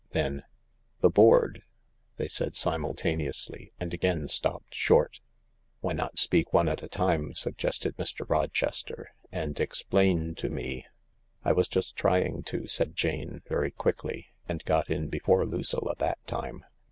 Then: " The board," they said simultaneously, and again stopped short. " Why not speak one at a time," suggested Mr. Rochester, " and explain to me ,,."" I was just trying to," said Jane very quickly, and got in before Lucilla that time.